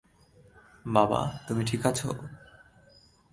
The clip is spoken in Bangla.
বাবা, তুমি ঠিক আছো?